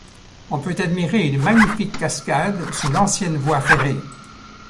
On peut admirer une magnifique cascade sous l'ancienne voie ferrée.